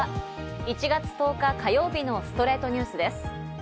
１月１０日、火曜日の『ストレイトニュース』です。